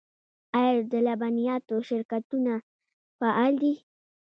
آیا د لبنیاتو شرکتونه فعال دي؟